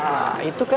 nah itu kan